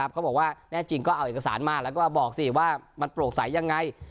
เขาบอกว่าแน่จริงก็เอาเอกสารมาแล้วก็บอกสิว่ามันโปร่งใสยังไง